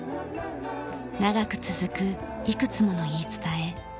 長く続くいくつもの言い伝え。